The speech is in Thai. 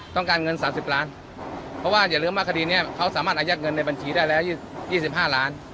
ต้องการเงิน๓๐ล้านเพราะว่าอย่าลืมว่าคดีนี้เขาสามารถอายัดเงินในบัญชีได้แล้ว๒๕ล้าน